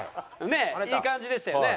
ねえいい感じでしたよね。